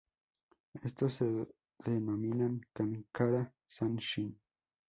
Estos se denominan kankara-sanshin.